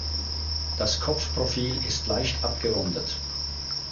Das Kopfprofil ist leicht abgerundet.